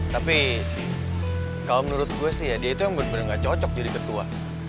tapi kalau menurut gue sih ya dia itu yang benar benar gak cocok jadi ketua